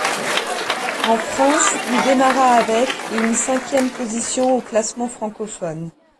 En France, il démarra avec et une cinquième position au classement francophone.